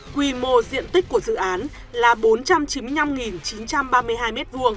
quy mô diện tích của dự án là bốn trăm chín mươi năm chín trăm ba mươi hai m hai